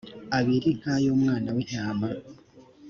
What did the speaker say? abiri nk ay umwana w intama